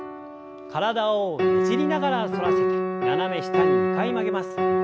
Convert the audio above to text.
体をねじりながら反らせて斜め下に２回曲げます。